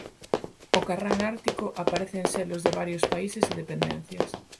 O carrán ártico aparece en selos de varios países e dependencias.